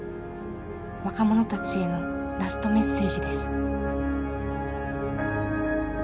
若者たちへのラストメッセージです。